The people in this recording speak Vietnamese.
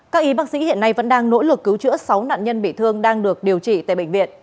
các y bác sĩ hiện nay vẫn đang nỗ lực cứu chữa sáu nạn nhân bị thương đang được điều trị tại bệnh viện